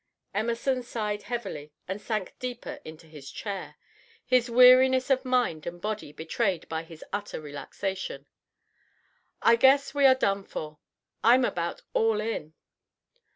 Emerson sighed heavily and sank deeper into his chair, his weariness of mind and body betrayed by his utter relaxation. "I guess we are done for. I'm about all in."